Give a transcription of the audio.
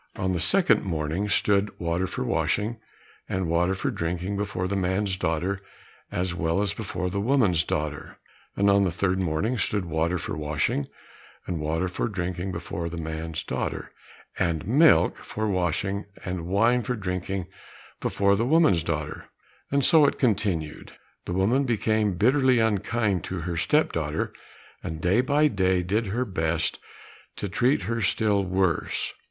On the second morning, stood water for washing and water for drinking before the man's daughter as well as before the woman's daughter. And on the third morning stood water for washing and water for drinking before the man's daughter, and milk for washing and wine for drinking, before the woman's daughter, and so it continued. The woman became bitterly unkind to her step daughter, and day by day did her best to treat her still worse.